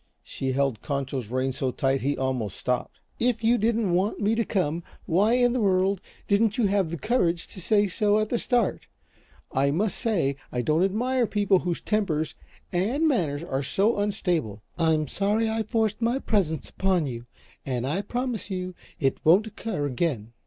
She held Concho's rein so tight he almost stopped. "If you didn't want me to come, why in the world didn't you have the courage to say so at the start? I must say I don't admire people whose tempers and manners are so unstable. I'm sorry I forced my presence upon you, and I promise you it won't occur again."